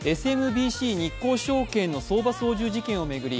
ＳＭＢＣ日興証券の相場操縦事件を巡り